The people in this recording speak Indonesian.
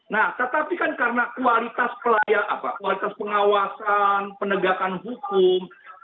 nah tetapi kan karena kualitas pengawasan penegakan hukum